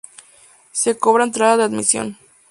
Se cobra entrada de admisión.